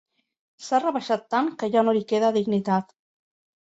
S'ha rebaixat tant que ja no li queda dignitat.